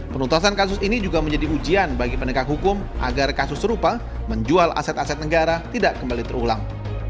penuntasan kasus ini juga menjadi ujian bagi penegak hukum agar kasus serupa menjual aset aset negara tidak kembali terulang